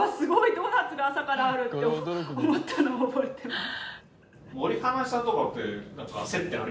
ドーナツが朝からある！」って思ったのを覚えてます。